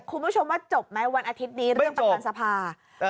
คุณผู้ชมว่าจบไหมวันอาทิตย์นี้เรื่องประธานสภา